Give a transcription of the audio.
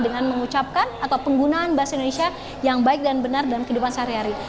dengan mengucapkan atau penggunaan bahasa indonesia yang baik dan benar dalam kehidupan sehari hari